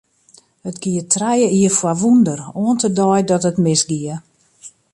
It gie trije jier foar wûnder, oant de dei dat it misgie.